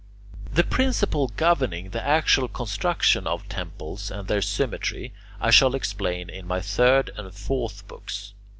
The principle governing the actual construction of temples and their symmetry I shall explain in my third and fourth books.